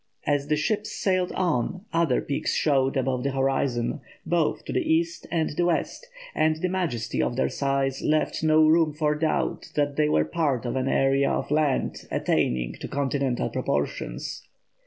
As the ships sailed on, other peaks showed above the horizon, both to the east and the west, and the majesty of their size left no room for doubt that they were part of an area of land attaining to continental proportions.